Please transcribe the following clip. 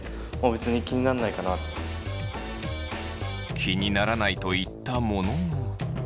気にならないと言ったものの。